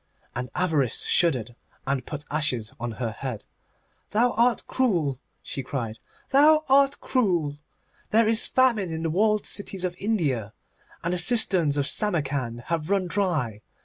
And Avarice shuddered, and put ashes on her head. 'Thou art cruel,' she cried; 'thou art cruel. There is famine in the walled cities of India, and the cisterns of Samarcand have run dry.